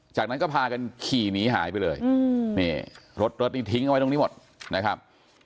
จากนั้นก็พากันขี่หนีหายไปเลยนี่รถรถนี้ทิ้งเอาไว้ตรงนี้หมดนะครับ